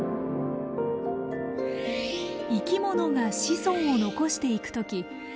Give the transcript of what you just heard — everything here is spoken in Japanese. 生き物が子孫を残していく時